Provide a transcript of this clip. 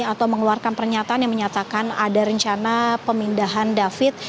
atau mengeluarkan pernyataan yang menyatakan ada rencana pemindahan david